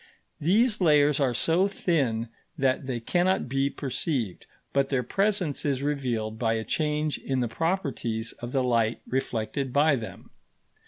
These layers are so thin that they cannot be perceived, but their presence is revealed by a change in the properties of the light reflected by them.